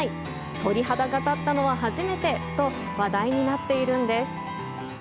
鳥肌が立ったのは初めて！と話題になっているんです。